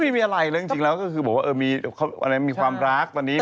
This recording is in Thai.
ไม่มีอะไรแล้วจริงแล้วก็คือบอกว่ามีความรักตอนนี้